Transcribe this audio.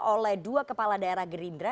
oleh dua kepala daerah gerindra